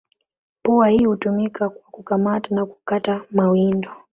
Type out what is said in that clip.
Pua hii hutumika kwa kukamata na kukata mawindo.